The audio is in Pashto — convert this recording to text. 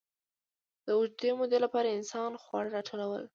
د اوږدې مودې لپاره انسان خواړه راټولول.